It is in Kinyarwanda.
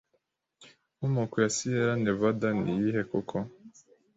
Inkomoko ya Siyera Nevada niyihe koko